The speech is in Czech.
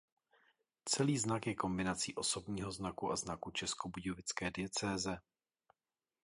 Celý znak je kombinací osobního znaku a znaku českobudějovické diecéze.